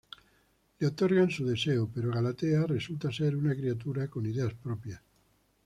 Le otorgan su deseo, pero Galatea resulta ser una criatura con ideas propias.